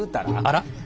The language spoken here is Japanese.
あら。